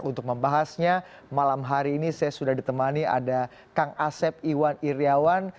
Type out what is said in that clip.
untuk membahasnya malam hari ini saya sudah ditemani ada kang asep iwan iryawan